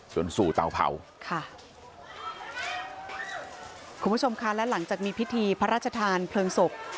ส่วนสู่เตาเผาค่ะคุณผู้ชมค่ะและหลังจากมีพิธีพระราชทานเพลิงศพ